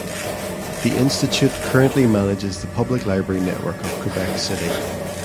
The institute currently manages the public library network of Quebec City.